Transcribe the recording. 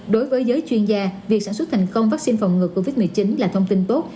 đối với giới chuyên gia việc sản xuất thành công vaccine phòng ngừa covid một mươi chín là thông tin tốt